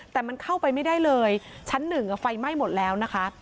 แต่มันเข้าไปไม่ได้เลยชั้นหนึ่งไฟไหม้หมดแล้วนะคะ